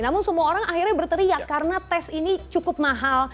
namun semua orang akhirnya berteriak karena tes ini cukup mahal